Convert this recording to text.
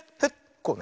こうね。